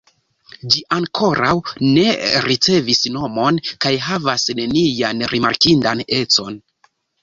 Ĝi ankoraŭ ne ricevis nomon kaj havas nenian rimarkindan econ.